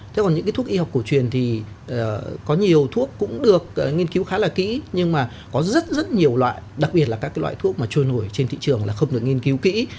thế còn những cái thuốc y học cổ truyền thì có nhiều thuốc cũng được nghiên cứu khá là kỹ nhưng mà có rất rất nhiều loại đặc biệt là các cái loại thuốc mà trôi nổi trên thị trường là không được nghiên cứu kỹ